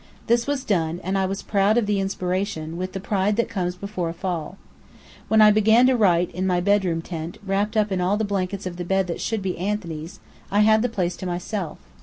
This was done; and I was proud of the inspiration, with the pride that comes before a fall. When I began to write, in my bedroom tent, wrapped in all the blankets of the bed that should be Anthony's, I had the place to myself.